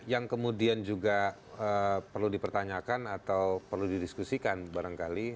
yang kemudian juga perlu dipertanyakan atau perlu didiskusikan barangkali